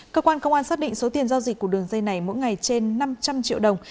cơ quan công an xác định số tiền giao dịch của đường dây này mỗi ngày trên năm trăm linh triệu đồng